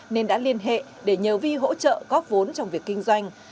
nên đã liên hệ để nhờ vi hỗ trợ góp vốn trong việc kinh doanh